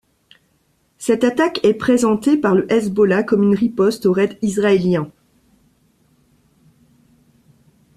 Cette attaque est présentée par le Hezbollah comme une riposte au raid israélien.